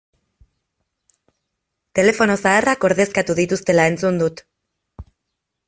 Telefono zaharrak ordezkatu dituztela entzun dut.